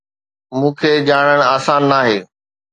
مون کي ڄاڻڻ آسان ناهي